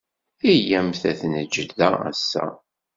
Iyyamt ad t-neǧǧ da ass-a.